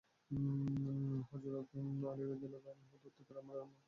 হযরত Ali রাযিয়াল্লাহু আনহু দৈত্যকায় আমরের মোকাবিলায় এ কৌশল অবলম্বন করেন।